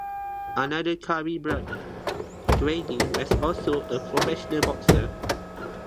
Another Curry brother, Graylin, was also a professional boxer.